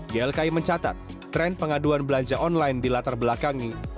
ylki mencatat tren pengaduan belanja online di latar belakang ini